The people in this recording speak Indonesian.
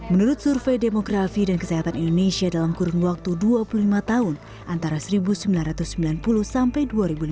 menurut survei demografi dan kesehatan indonesia dalam kurun waktu dua puluh lima tahun antara seribu sembilan ratus sembilan puluh sampai dua ribu lima belas